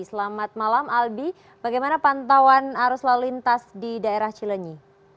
selamat malam albi bagaimana pantauan arus lalu lintas di daerah cilenyi